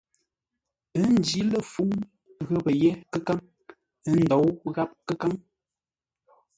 Ə́ njǐ lə̂ fúŋ ghəpə́ yé kə́káŋ, ə́ ndǒu gháp kə́káŋ.